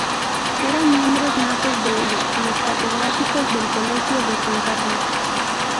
Eran miembros natos de ella los catedráticos del Colegio de San Carlos.